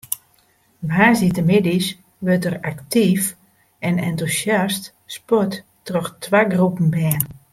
Woansdeitemiddeis wurdt der aktyf en entûsjast sport troch twa groepen bern.